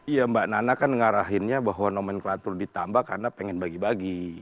iya mbak nana kan ngarahinnya bahwa nomenklatur ditambah karena pengen bagi bagi